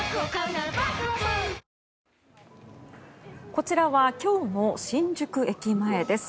こちらは今日の新宿駅前です。